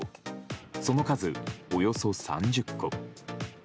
その数、およそ３０個。